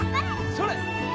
それ。